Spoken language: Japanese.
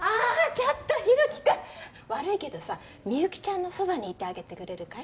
ちょっと大樹君悪いけどさみゆきちゃんのそばにいてあげてくれるかい？